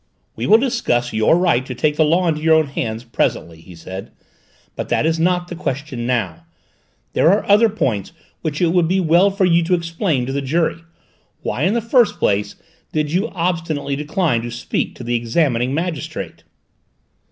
"We will discuss your right to take the law into your own hands presently," he said, "but that is not the question now: there are other points which it would be well for you to explain to the jury. Why, in the first place, did you obstinately decline to speak to the examining magistrate?"